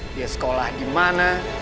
dia sekolah di mana